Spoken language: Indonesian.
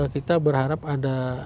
kita berharap ada